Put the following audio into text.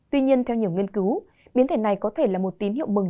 tuy nhiên theo nhiều nghiên cứu biến thể này có thể là một tín hiệu mừng